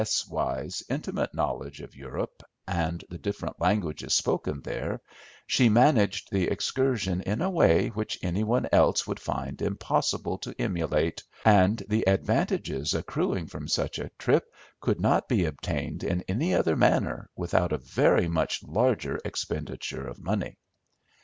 Y.'s intimate knowledge of Europe, and the different languages spoken there, she managed the excursion in a way which any one else would find impossible to emulate, and the advantages accruing from such a trip could not be obtained in any other manner without a very much larger expenditure of money.